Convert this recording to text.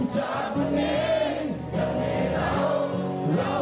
จากวันนี้กับให้เราเดี๋ยวเราและนาย